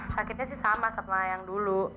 sakitnya sih sama sama yang dulu